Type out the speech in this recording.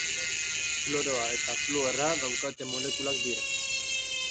Kloroa eta fluorra daukaten molekulak dira.